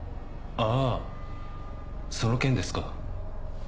あぁその件ですか。